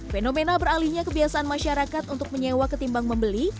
fenomena beralihnya kebiasaan masyarakat untuk menyewa ketimbang membeli